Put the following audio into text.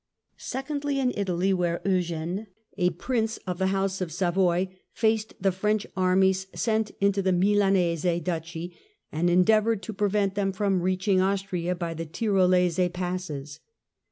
Secondly, in Italy, where Eugene, a prince of the house of Savoy, faced the French armies sent into the Milanese Duchy, and endeavoured to prevent them from reaching Austria by the Tyrolese passes.